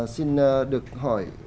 xin được hỏi